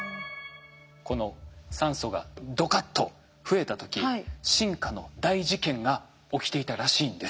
この酸素がドカッと増えた時進化の大事件が起きていたらしいんです。